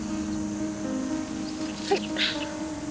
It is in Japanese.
はい。